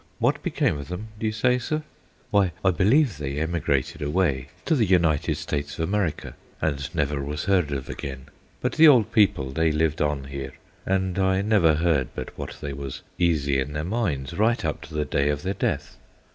What become of them, do you say, sir? Why, I believe they emigrated away to the United States of America and never was heard of again, but the old people they lived on here, and I never heard but what they was easy in their minds right up to the day of their death.